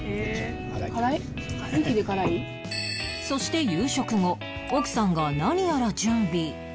そして夕食後奥さんが何やら準備